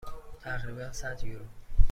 تقریبا صد یورو.